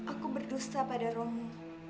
aku berdosa pada romo